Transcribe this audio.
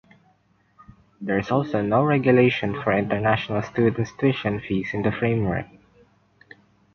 There is also no regulation for international students tuition fees in the framework.